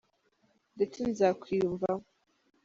ndetse nza kwiyumvamo.